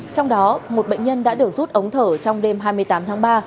trong đó một bệnh nhân đã được rút ống thở trong đêm hai mươi tám tháng ba